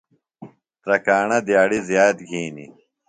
تراکݨہ دِیاڑیۡ زِیات گِھینیۡ۔